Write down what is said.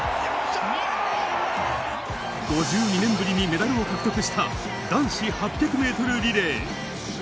５２年ぶりにメダルを獲得した男子８００メートルリレー。